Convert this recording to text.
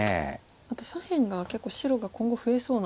あと左辺が結構白が今後増えそうな。